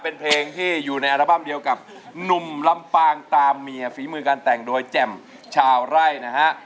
เป็นเพลงที่อยู่ในอัลบั้มเดียวกับหนุ่มลำปางตามเมียฝีมือการแต่งโดยแจ่มชาวไร่นะฮะ